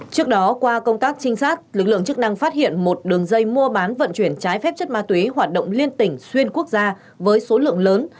trước đó qua công tác trinh sát lực lượng chức năng phát hiện một đường dây mua bán vận chuyển trái phép chất ma túy hoạt động liên tỉnh xuyên quốc gia với số lượng lớn